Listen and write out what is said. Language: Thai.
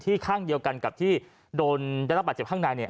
ข้างเดียวกันกับที่โดนได้รับบาดเจ็บข้างในเนี่ย